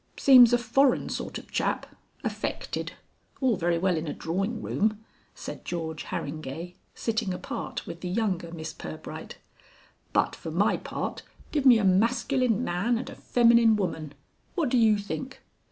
"Seems a foreign sort of chap. Affected. All very well in a drawing room," said George Harringay, sitting apart with the younger Miss Pirbright. "But for my part give me a masculine man and a feminine woman. What do you think?"